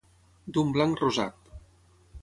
d'un blanc rosat